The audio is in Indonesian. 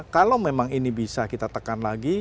kalau memang ini bisa kita tekan lagi